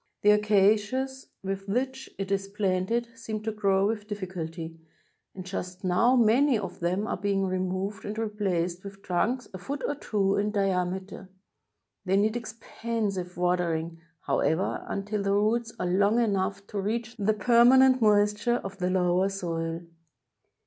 The acacias with which it is planted seem to grow with difficulty, and just now many of them are being removed and replaced with trunks a foot or two in diameter. They need expensive watering, however, imtil the roots are long enough to reach the permanent moist ure of the lower soil.